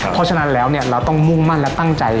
เพราะฉะนั้นแล้วเราต้องมุ่งมั่นและตั้งใจ